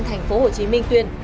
thành phố hồ chí minh tuyên